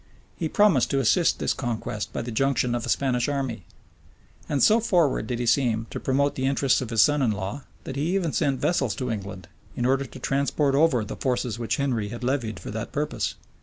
He promised to assist this conquest by the junction of a Spanish army. And so forward did he seem to promote the interests of his son in law, that he even sent vessels to England, in order to transport over the forces which Henry had levied for that purpose.